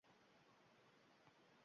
Bu yo‘ldan karvonlarning keti uzilmagan.